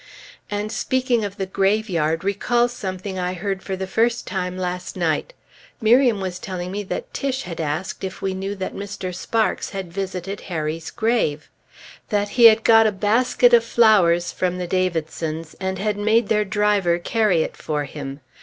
And speaking of the graveyard recalls something I heard for the first time last night. Miriam was telling me that Tiche had asked if we knew that Mr. Sparks had visited Harry's grave? That he had got a basket of flowers from the Davidsons, and had made their driver carry it for him.